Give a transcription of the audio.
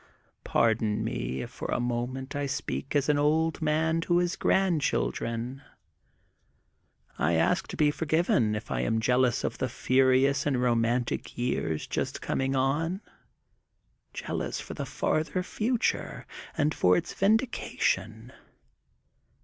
"Pardon me, if for a moment I speaik as an old man to his grandchildren. I ask to be forgiven if I am jealous of the furious and romantic years just coming on, jealous for the farther future, and for its vindication.